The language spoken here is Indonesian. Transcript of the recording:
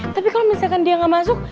tapi kalo misalkan dia gak masuk